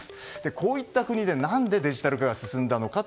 こういった国で何でデジタル化が進んだのか。